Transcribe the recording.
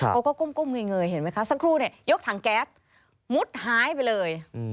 ก้มเงยเห็นไหมคะสักครู่เนี่ยยกถังแก๊สมุดหายไปเลย